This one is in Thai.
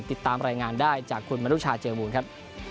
ติดตามรายงานได้จากคุณมนุชาเจอมูลครับ